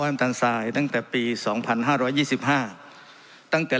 อันตันทรายตั้งแต่ปีสองพันห้าร้อยยี่สิบห้าตั้งแต่